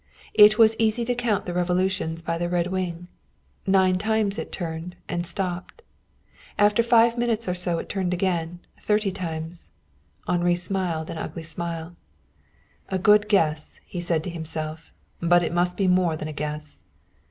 It was easy to count the revolutions by the red wing. Nine times it turned, and stopped. After five minutes or so it turned again, thirty times. Henri smiled: an ugly smile. "A good guess," he said to himself. "But it must be more than a guess."